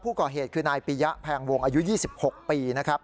ผู้ก่อเหตุคือนายปียะแพงวงอายุ๒๖ปีนะครับ